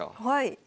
はい。